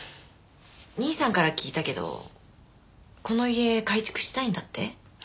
兄さんから聞いたけどこの家改築したいんだって？